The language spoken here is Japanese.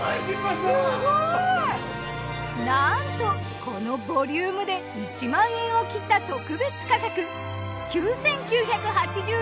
すごい！なんとこのボリュームで１万円を切った特別価格。